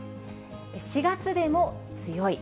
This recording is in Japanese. ４月でも強い。